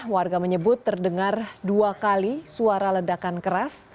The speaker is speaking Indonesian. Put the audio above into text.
warga menyebut terdengar dua kali suara ledakan keras